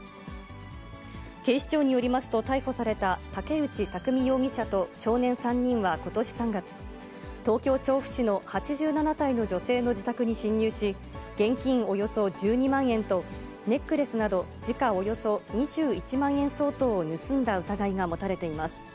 警視庁によりますと、逮捕された竹内拓美容疑者と少年３人はことし３月、東京・調布市の８７歳の女性の自宅に侵入し、現金およそ１２万円と、ネックレスなど時価およそ２１万円相当を盗んだ疑いが持たれています。